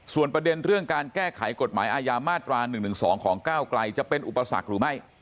ส่วนประเด็นเรื่องการแก้ไขกฎหมายอาญามาตรา๑๑๒ของก้าวไกลจะเป็นอุปสรรคหรือไม่